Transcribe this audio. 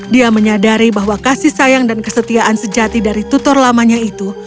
dia menyadari bahwa kasih sayang dan kesetiaan sejati dari tutor lamanya itu